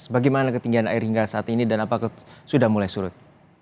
bagaimana ketinggian air hingga saat ini dan apakah sudah mulai surut